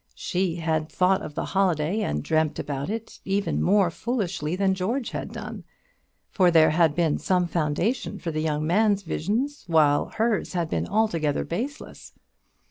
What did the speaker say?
She had thought of the holiday, and dreamt about it even more foolishly than George had done; for there had been some foundation for the young man's visions, while hers had been altogether baseless.